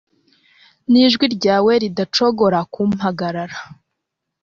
Nijwi ryawe ridacogora ku mpagara